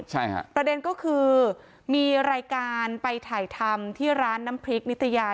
ใช่ฮะประเด็นก็คือมีรายการไปถ่ายทำที่ร้านน้ำพริกนิตยา